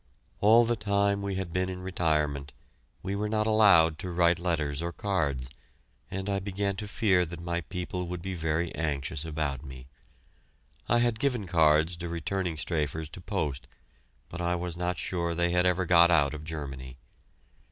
All the time we had been in retirement, we were not allowed to write letters or cards, and I began to fear that my people would be very anxious about me. I had given cards to returning "strafers" to post, but I was not sure they had ever got out of Germany.